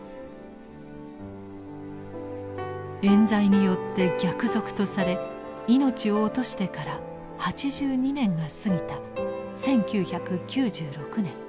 冤罪によって逆賊とされ命を落としてから８２年が過ぎた１９９６年。